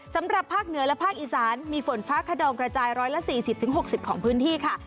สำหรับภาคเหนือและภาคอีสานมีฝนฟ้าขนองกระจาย๑๔๐๖๐ของพื้นที่ค่ะ